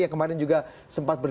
yang kemarin juga sempat